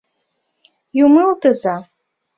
Юмылтыза!